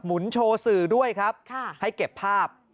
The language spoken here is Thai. หนโชว์สื่อด้วยครับให้เก็บภาพ